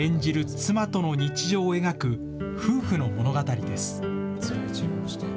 妻との日常を描く、夫婦の物語です。